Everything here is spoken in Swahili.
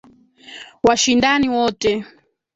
washindani wote.